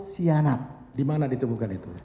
cyanide dimana ditemukan itu